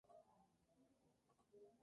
Nunca ha jugado en la Bundesliga.